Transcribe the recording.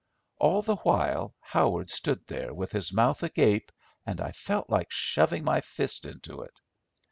All the while Howard stood there with his mouth agape, and I felt like shoving my fist into it.